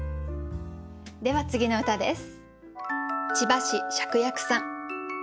では次の歌です。